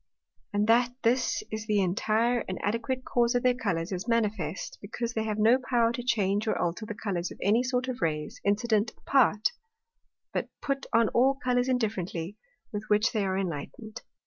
And that this is the intire and adequate cause of their Colours, is manifest, because they have no power to change or alter the Colours of any sort of Rays incident apart, but put on all Colours indifferently, with which they are enlightned.